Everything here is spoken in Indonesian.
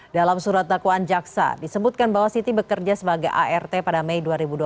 dalam surat dakwaan jaksa disebutkan bahwa siti bekerja sebagai art pada mei dua ribu dua puluh